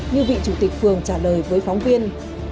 như vị chủ tịch phường trả lời với phóng viên